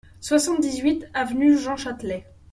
soixante-dix-huit avenue Jean Châtelet